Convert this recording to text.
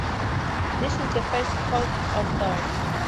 This is the first course of thought.